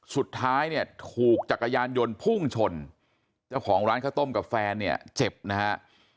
สุดท้ายเนี่ยถูกจักรยานยนต์พุ่งชนเจ้าของร้านข้าวต้มกับแฟนเนี่ยเจ็บนะฮะ